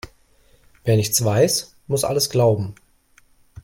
Wer nichts weiß, muss alles glauben.